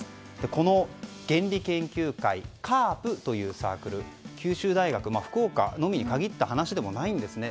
この原理研究会ＣＡＲＰというサークル九州大学、福岡のみに限った話ではないんですね。